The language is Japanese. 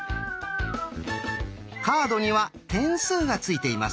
カードには点数がついています。